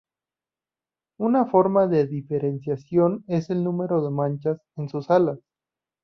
Una forma de diferenciación es el número de manchas en sus alas.